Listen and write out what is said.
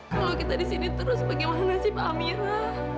kalau kita di sini terus bagaimana nasib amira